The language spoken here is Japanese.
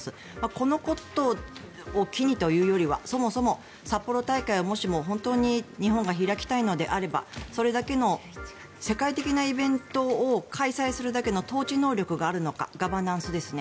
このことを機にというよりはそもそも札幌大会はもしも本当に日本が開きたいのであればそれだけの世界的なイベントを開催するだけの統治能力があるのかガバナンスですね